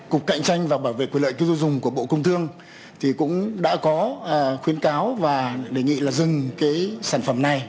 cục cạnh tranh và bảo vệ quyền lợi tiêu dùng của bộ công thương thì cũng đã có khuyến cáo và đề nghị là dừng cái sản phẩm này